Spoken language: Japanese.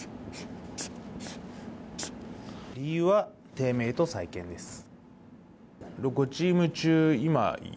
理由は低迷と再建です。